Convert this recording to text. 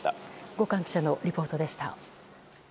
五閑記者のリポートでした。